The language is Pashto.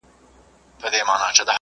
په څه لږو الوتو سو په ځان ستړی ,